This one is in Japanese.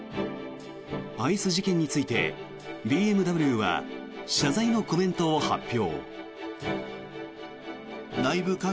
アイス事件についてＢＭＷは謝罪のコメントを発表。